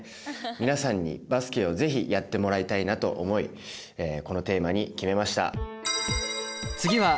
皆さんにバスケを是非やってもらいたいなと思いこのテーマに決めました。